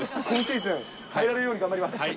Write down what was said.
今シーズン、頑張ります。